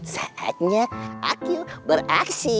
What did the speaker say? saatnya akyu beraksi